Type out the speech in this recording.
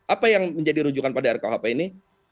apa yang menjadi rujukan pada rkuhp ini